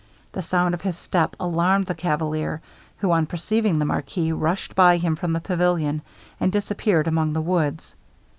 The sound of his step alarmed the cavalier, who, on perceiving the marquis, rushed by him from the pavilion, and disappeared among the woods.